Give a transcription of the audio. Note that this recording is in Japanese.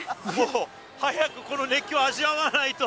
早くこの熱気を味わわないと。